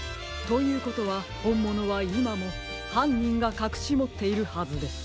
ということはほんものはいまもはんにんがかくしもっているはずです。